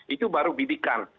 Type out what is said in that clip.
itu baru bidikan